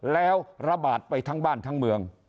แล้วระบาดไปทั้งบ้านทั้งเมือง